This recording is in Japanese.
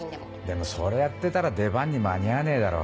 でもそれやってたら出番に間に合わねえだろ。